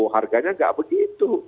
harganya tidak begitu